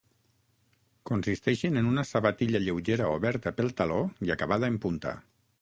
Consisteixen en una sabatilla lleugera oberta pel taló i acabada en punta.